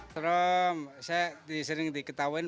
serem saya disering diketahuin